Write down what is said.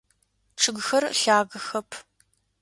Чъыгыхэр лъагэхэп.